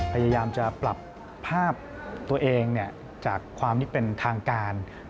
พยายามจะปรับภาพตัวเองจากความที่เป็นทางการ